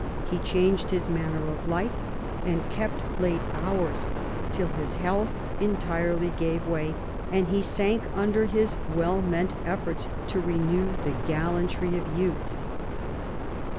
He changed his manner of life, and kept late hours, till his health entirely gave way,, and he sank under his well meant efforts to renew^ the gallantry of youth.